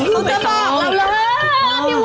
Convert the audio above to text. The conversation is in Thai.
เขาจะบอกเราแล้วพี่วุฒิ